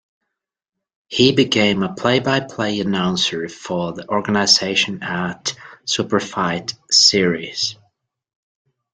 He became a play-by-play announcer for the organization at Superfight Series.